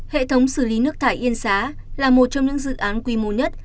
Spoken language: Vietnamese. hệ thống xử lý nước thải yên xá là một trong những dự án quy mô nhất